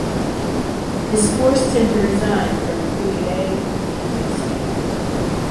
This forced him to resign from "Kurier Litewski".